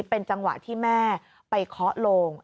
เป็นจังหวะที่แม่ไปเคาะโลง